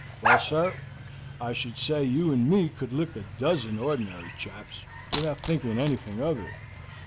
"Well sir, I should say you and me could lick a dozen ordinary chaps, without thinking anything of it."